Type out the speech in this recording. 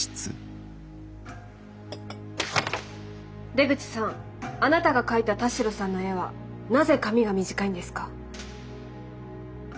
出口さんあなたが描いた田代さんの絵はなぜ髪が短いんですか？